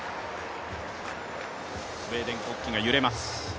スウェーデン国旗が揺れます。